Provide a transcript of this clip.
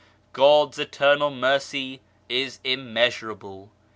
God's eternal Mercy is immeasurable.